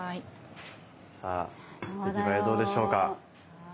さあ出来栄えどうでしょうか。